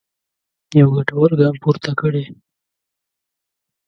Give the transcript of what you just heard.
یو ګټور ګام پورته کړی.